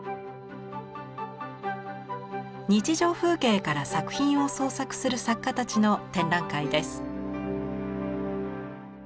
日常風景から作品を創作する作家たちの展覧会です。